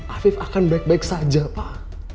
afif akan baik baik saja pak